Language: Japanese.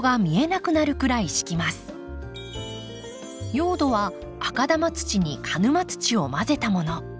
用土は赤玉土に鹿沼土を混ぜたもの。